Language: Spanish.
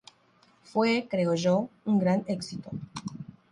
Fue, creo yo, un gran éxito.